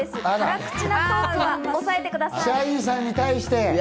社員さんに対して？